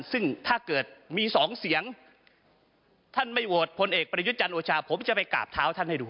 ซึ่งถ้าเกิดมีสองเสียงท่านไม่โหวตพลเอกประยุทธ์จันทร์โอชาผมจะไปกราบเท้าท่านให้ดู